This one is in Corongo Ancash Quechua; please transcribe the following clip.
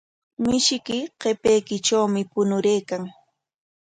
Mishiyki qipaykitrawmi puñuraykan.